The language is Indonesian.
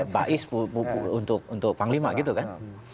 bais untuk panglima gitu kan